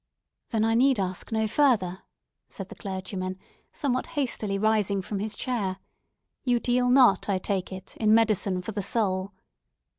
"Then I need ask no further," said the clergyman, somewhat hastily rising from his chair. "You deal not, I take it, in medicine for the soul!"